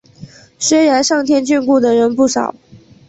虽然上天眷顾的人不少